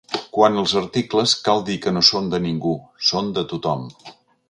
Quant als articles, cal dir que no són de ningú, són de tothom.